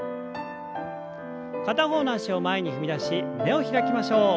片方の脚を前に踏み出し胸を開きましょう。